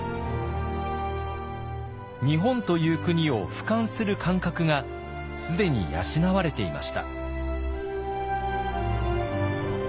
日本という国をふかんする感覚が既に養われていました。